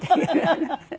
ハハハハ。